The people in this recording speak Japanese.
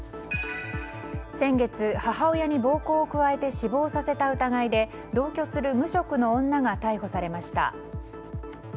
先月、母親に暴行を加えて死亡させた疑いで同居する無職の女が逮捕されました。